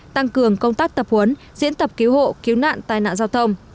tăng cường công tác tập huấn diễn tập cứu hộ cứu nạn tai nạn giao thông